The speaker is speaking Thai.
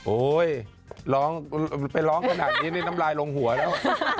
โอ้ยไปร้องขนาดนี้น้ำลายลงหัวแล้ว